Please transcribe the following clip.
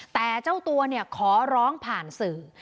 แต่เจ้าตัวขอร้องผ่านสื่อ